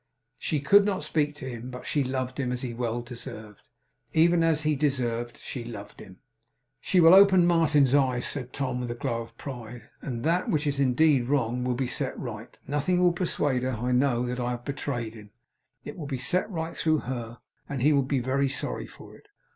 She could not speak to him, but she loved him, as he well deserved. Even as he deserved, she loved him. 'She will open Martin's eyes,' said Tom, with a glow of pride, 'and that (which is indeed wrong) will be set right. Nothing will persuade her, I know, that I have betrayed him. It will be set right through her, and he will be very sorry for it.